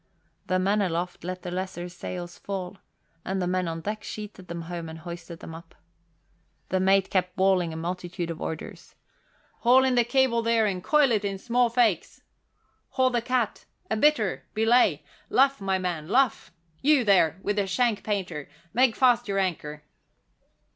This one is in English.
The men aloft let the lesser sails fall; the men on deck sheeted them home and hoisted them up. The mate kept bawling a multitude of orders: "Haul in the cable there and coil it in small fakes! Haul the cat! A bitter! Belay! Luff, my man, luff! You, there, with the shank painter, make fast your anchor!"